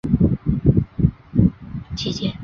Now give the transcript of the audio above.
道路西端连接天耀路以及通往乐湖居的私人道路。